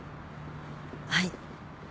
はい？